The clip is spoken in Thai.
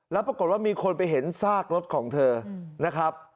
แล้วปรากฏว่ามีคนไปเห็นซากรถของเธอนะครับ